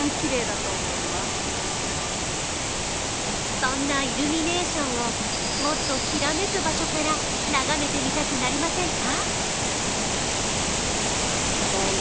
そんなイルミネーションをもっときらめく場所から眺めてみたくなりませんか？